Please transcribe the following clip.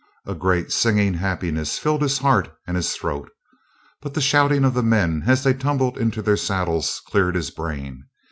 A great, singing happiness filled his heart and his throat. But the shouting of the men as they tumbled into their saddles cleared his brain.